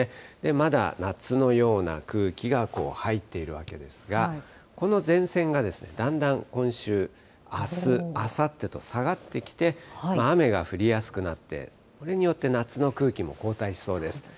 まだ夏のような空気がこう入っているわけですが、この前線がだんだん今週、あす、あさってと下がってきて、雨が降りやすくなって、これによって夏の空気も後退しそうです。